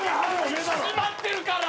絞まってるから！